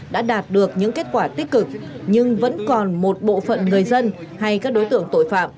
đã đạt được những kết quả tích cực nhưng vẫn còn một bộ phận người dân hay các đối tượng tội phạm